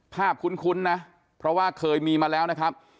คุ้นนะเพราะว่าเคยมีมาแล้วนะครับ